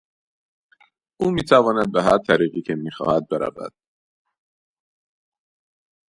او میتواند به هر طریقی که میخواهد برود.